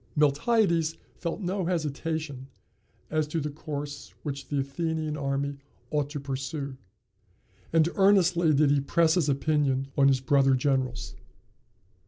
Miltiades felt no hesitation, as to the course which the Athenian army ought to pursue; and earnestly did he press his opinion on his brother generals.